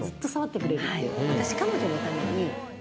私彼女のために。